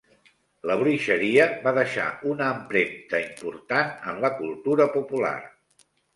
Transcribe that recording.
La bruixeria va deixar una empremta important en la cultura popular.